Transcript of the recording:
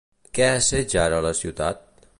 Què assetja ara la ciutat?